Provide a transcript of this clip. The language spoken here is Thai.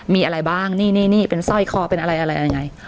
มีอะไรบ้างนี่เป็นสร้อยคออะไรอย่างเนี้ย